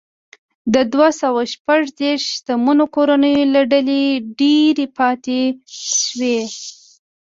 د دوه سوه شپږ دېرش شتمنو کورنیو له ډلې ډېرې پاتې شوې.